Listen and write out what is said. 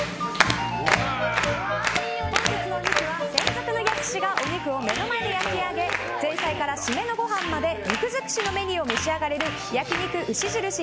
本日のお肉は、専属の焼き師がお肉を目の前で焼き上げ前菜から締めのご飯まで肉尽くしのメニューを召し上がれる焼肉牛印